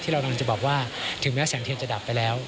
เรากำลังจะบอกว่าถึงแม้แสงเทียนจะดับไปแล้ว